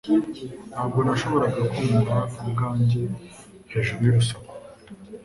Ntabwo nashoboraga kumva ubwanjye hejuru y'urusaku